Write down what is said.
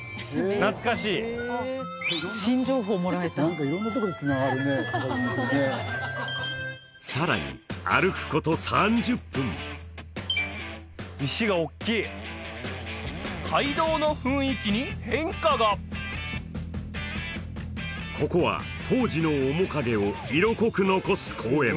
懐かしい何か色んなとこにつながるねさらに歩くこと３０分石がおっきい街道の雰囲気に変化がここは当時の面影を色濃く残す公園